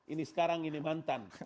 ini sekarang ini mantan